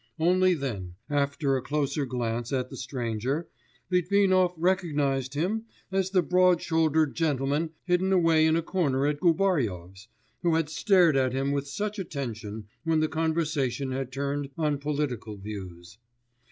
Only then, after a closer glance at the stranger, Litvinov recognised him as the broad shouldered gentleman hidden away in a corner at Gubaryov's, who had stared at him with such attention when the conversation had turned on political views.